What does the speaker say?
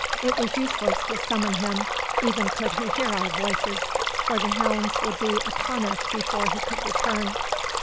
It was useless to summon him, even could he hear our voices, for the hounds would be upon us before he could return.